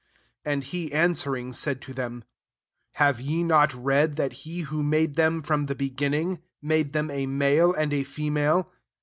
4 And he answering, said to them, *^ Have ye not read, that he who made them from the beginning, made them a male and a female